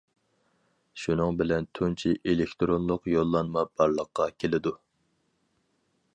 شۇنىڭ بىلەن تۇنجى ئېلېكتىرونلۇق يوللانما بارلىققا كېلىدۇ.